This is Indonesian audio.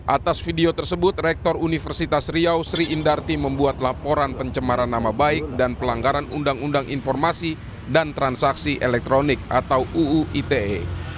atas video tersebut rektor universitas riau sri indarti membuat laporan pencemaran nama baik dan pelanggaran undang undang informasi dan transaksi elektronik atau uu ite